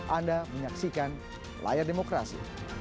anda menyaksikan layar demokrasi